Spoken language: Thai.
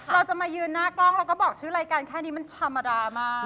เราจะมายืนหน้ากล้องแล้วก็บอกชื่อรายการแค่นี้มันธรรมดามาก